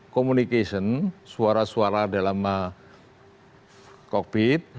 komunikasi suara suara dalam cockpit